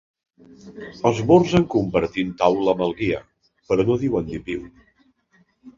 Esmorzen compartint taula amb el guia, però no diuen ni piu.